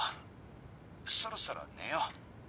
そろそろ寝よう。